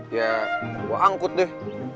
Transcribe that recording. ya gue angkut deh